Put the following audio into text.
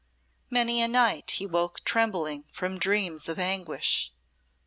Many a night he woke trembling from dreams of anguish.